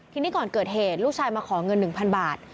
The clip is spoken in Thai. ทีนี้ก่อนเกิดเหตุลูกชายมาขอเงิน๑๐๐บาท